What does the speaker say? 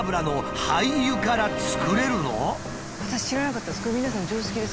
私知らなかったです。